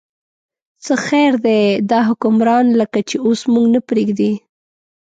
څه خیر دی، دا حکمران لکه چې اوس موږ نه پرېږدي.